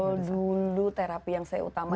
kalau dulu terapi yang saya utamakan